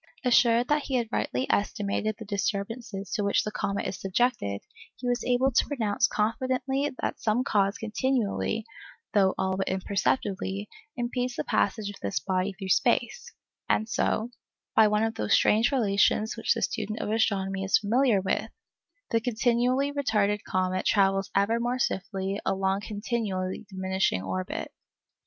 Assured that he had rightly estimated the disturbances to which the comet is subjected, he was able to pronounce confidently that some cause continually (though all but imperceptibly) impedes the passage of this body through space, and so—by one of those strange relations which the student of astronomy is familiar with—the continually retarded comet travels ever more swiftly along a continually diminishing orbit.